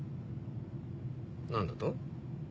何だと？